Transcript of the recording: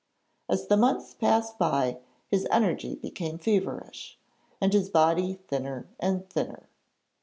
As the months passed by his energy became feverish, and his body thinner and thinner.